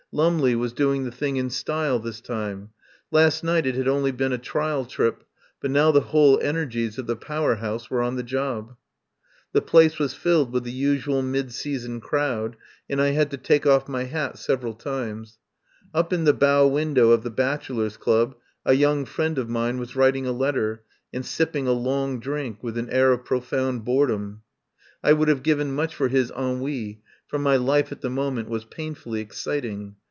Lumley was doing the thing in style this time. Last night it had only been a trial trip, but now the whole en ergies of the Power House were on the job. The place was filled with the usual mid sea son crowd, and I had to take off my hat sev eral times. Up in the bow window of the Bachelors' Club a young friend of mine was writing a letter and sipping a long drink with an air of profound boredom. I would have *7S THE POWER HOUSE given much for his ennui, for my life at the moment was painfully exciting.